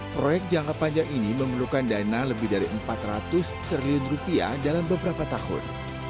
proyek jangka panjang ini memerlukan dana lebih dari empat ratus triliun rupiah dalam beberapa tahun